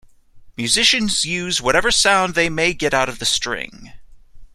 Musicians use whatever sound they may get out of the string.